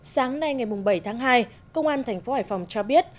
sáng nay ngày bảy tháng hai công an tp hải phòng cho biết